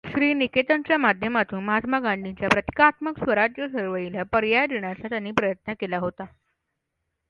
श्री निकेतनच्या माध्यमातून महात्मा गांधींच्या प्रतिकात्मक स्वराज्य चळवळीला पर्याय देण्याचा त्यांनी प्रयत्न केला होता.